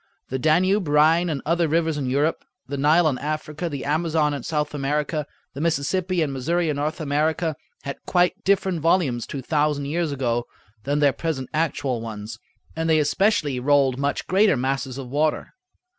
The Danube, Rhine, and other rivers in Europe, the Nile in Africa, the Amazon in South America, the Mississippi and Missouri in North America, had quite different volumes two thousand years ago than their present actual ones, and they especially rolled much greater masses of water.